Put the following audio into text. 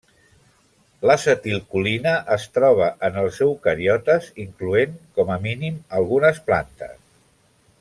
L’acetilcolina es troba en els eucariotes incloent com a mínim algunes plantes.